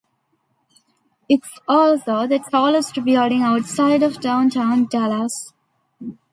It's also the tallest building outside of Downtown Dallas.